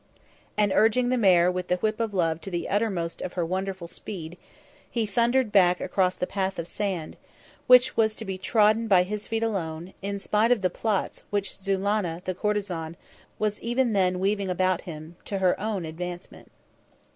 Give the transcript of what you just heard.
And urging the mare with the whip of love to the uttermost of her wonderful speed, he thundered back across the path of sand, which was to be trodden by his feet alone, in spite of the plots which Zulannah the courtesan was even then weaving about him to her own advancement.